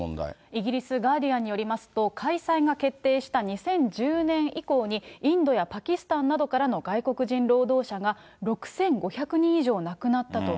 イギリス、ガーディアンによりますと、開催が決定された２０１０年以降に、インドやパキスタンなどからの外国人労働者が６５００人以上亡くなったと。